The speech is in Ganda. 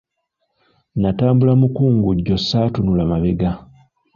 Natambula mukungujjo ssaatunula mabega.